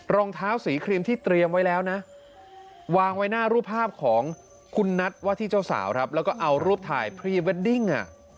รองเท้าสีครีมที่เตรียมไว้แล้วนะวางไว้หน้ารูปภาพของคุณนัทว่าที่เจ้าสาวครับแล้วก็เอารูปถ่ายพรีเวดดิ้ง